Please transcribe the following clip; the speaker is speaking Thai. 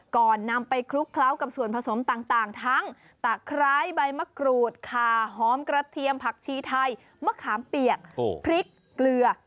ก่อนนำไปคลุกเคล้ากับส่วนผสมต่างทั้งตะไคร้ใบมะกรูดคาหอมกระเทียมผักชีไทยมะขามเปียกพริกเกลือ